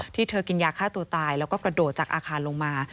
เธอกินยาฆ่าตัวตายแล้วก็กระโดดจากอาคารลงมา